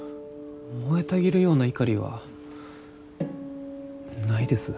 燃えたぎるような怒りはないです。